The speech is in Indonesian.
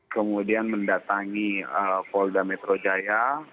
kemudian mendatangi polda metro jaya